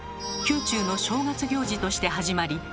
宮中の正月行事として始まり